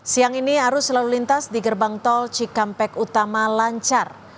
siang ini arus lalu lintas di gerbang tol cikampek utama lancar